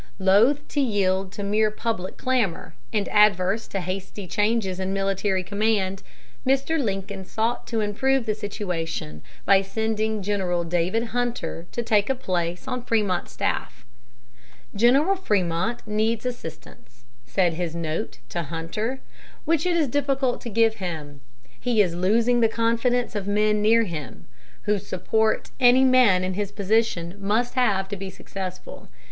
Loath to yield to mere public clamor, and averse to hasty changes in military command, Mr. Lincoln sought to improve the situation by sending General David Hunter to take a place on Frémont's staff. "General Frémont needs assistance," said his note to Hunter, "which it is difficult to give him. He is losing the confidence of men near him, whose support any man in his position must have to be successful.